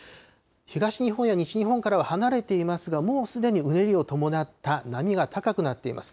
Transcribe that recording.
東日本や西日本からは離れていますが、もうすでにうねりを伴った波が高くなっています。